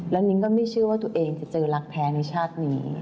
แล้วนิ้งก็ไม่เชื่อว่าตัวเองจะเจอรักแท้ในชาตินี้